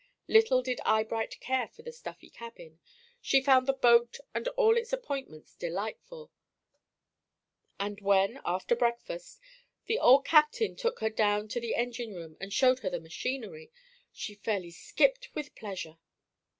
Little did Eyebright care for the stuffy cabin. She found the boat and all its appointments delightful; and when, after breakfast, the old captain took her down to the engine room and showed her the machinery, she fairly skipped with pleasure.